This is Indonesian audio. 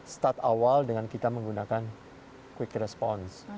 start awal dengan kita menggunakan quick response